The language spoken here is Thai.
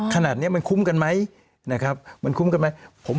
ขนาดนี้มันคุ้มกันไหมนะครับมันคุ้มกันไหม